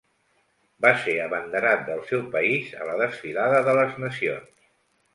Va ser abanderat del seu país a la desfilada de les nacions.